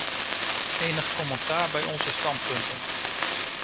Enig commentaar bij onze standpunten.